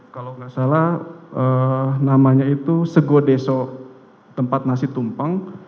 kalau tidak salah namanya itu segodeso tempat nasi tumpang